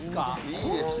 いいですよ